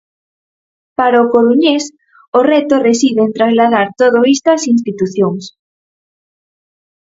Para o coruñés, o reto reside en trasladar todo isto ás institucións.